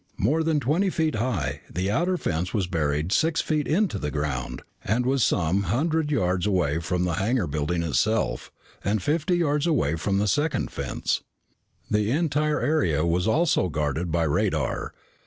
More than twenty feet high, the outer fence was buried six feet into the ground and was some hundred yards away from the hangar building itself, and fifty yards away from the second fence. The entire area was also guarded by radar.